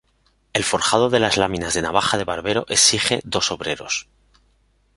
El forjado de las láminas de navaja de barbero exige dos obreros.